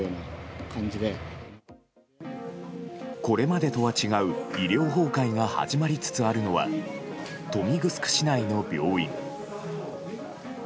これまでとは違う医療崩壊が始まりつつあるのは豊見城市内の病院。